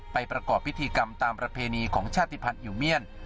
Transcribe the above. ประกอบพิธีกรรมตามประเพณีของชาติภัณฑ์อิวเมียน